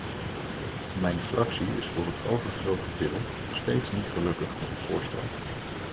Mijn fractie is voor het overgrote deel nog steeds niet gelukkig met het voorstel.